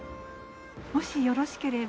もしよろしければ。